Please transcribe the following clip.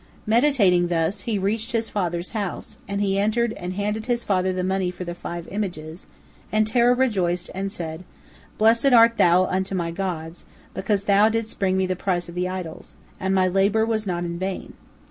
Meditating thus, he reached his father's house, and he entered and handed his father the money for the five images, and Terah rejoiced, and said, "Blessed art thou unto my gods, because thou didst bring me the price of the idols, and my labor was not in vain."